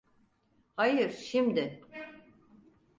Hayır, şimdi.